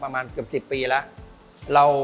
ประมาณเกือบ๑๐ปีแล้ว